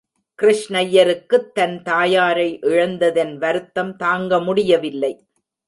கிருஷ்ணய்யருக்குத் தன் தாயாரை இழந்ததின் வருத்தம் தாங்கமுடியவில்லை.